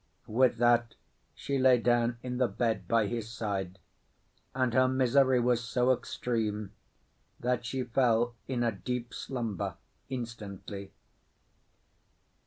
With that she lay down in the bed by his side, and her misery was so extreme that she fell in a deep slumber instantly.